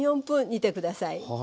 ３４分煮てください。